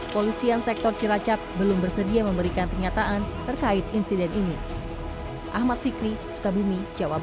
polisian sektor cilacap belum bersedia memberikan pernyataan terkait insiden ini